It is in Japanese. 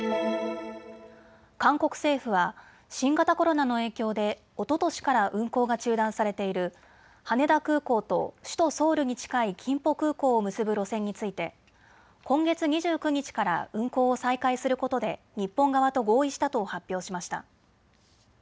韓国政府は新型コロナの影響でおととしから運航が中断されている羽田空港と首都ソウルに近いキンポ空港を結ぶ路線について今月２９日から運航を再開することで日本側と合意したと発表しました。